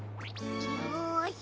よし！